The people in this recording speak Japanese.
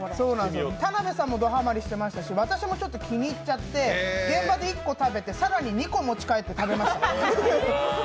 田辺さんもドハマりしてましたし、私も気に入っちゃって、現場で１個食べて更に２個持ち帰って食べました。